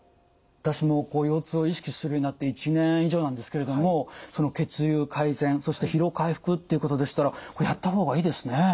私も腰痛を意識するようになって１年以上なんですけれども血流改善そして疲労回復っていうことでしたらやった方がいいですね。